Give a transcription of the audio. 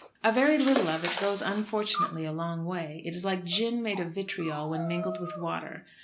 A very little of it goes unfortunately a long way. It is like gin made of vitriol when mingled with water.